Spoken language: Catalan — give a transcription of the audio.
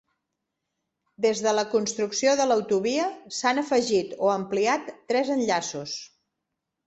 Des de la construcció de l'autovia, s'han afegit o ampliat tres enllaços.